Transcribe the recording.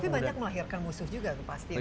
tapi banyak melahirkan musuh juga tuh pasti